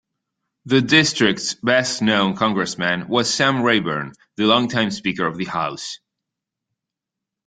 The district's best-known congressman was Sam Rayburn, the longtime Speaker of the House.